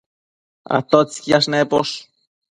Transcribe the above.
¿atotsi quiash neposh?